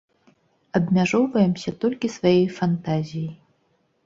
Абмяжоўваемся толькі сваёй фантазіяй.